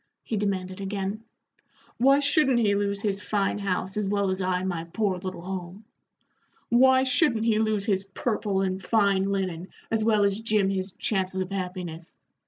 he demanded again. "Why shouldn't he lose his fine house as well as I my poor little home? Why shouldn't he lose his purple and fine linen as well as Jim his chances of happiness?